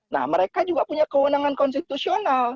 nah mereka juga punya kewenangan konstitusional